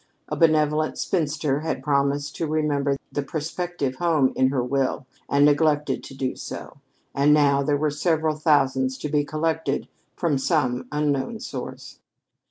A benevolent spinster had promised to remember the prospective home in her will and neglected to do so and now there were several thousands to be collected from some unknown source.